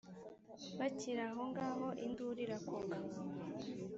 bakiri aho ngaho induru irakoka